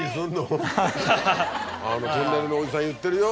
あのトンネルのおじさん言ってるよ。